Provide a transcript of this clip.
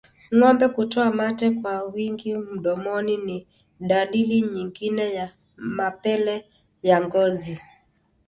Ngombe kutoa mate kwa wingi mdomoni ni dalili nyingine ya mapele ya ngozi